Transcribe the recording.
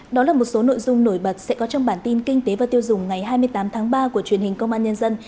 đó là một số nội dung nổi bật sẽ có trong bản tin kinh tế và tiêu dùng ngày hai mươi tám tháng ba của truyền hình công an nhân dân